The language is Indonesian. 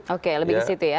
oke lebih ke situ ya